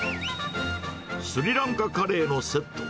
スリランカカレーのセット。